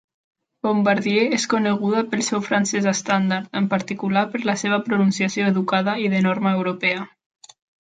Bombardier es coneguda pel seu francès estàndard, en particular per la seva pronunciació educada i de norma europea.